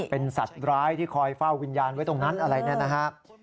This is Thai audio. เป็นสัตว์ร้ายที่คอยเฝ้าวิญญาณไว้ตรงนั้นอะไรเนี่ยนะฮะ